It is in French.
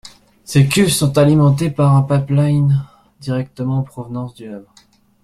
Ces cuves sont alimentées par un pipeline directement en provenance du Havre.